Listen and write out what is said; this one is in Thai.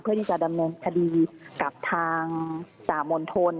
เพื่อที่จะดำเนินคดีกับทางจ่ามณฑล